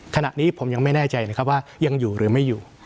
ขณะนี้ผมยังไม่แน่ใจนะครับว่ายังอยู่หรือไม่อยู่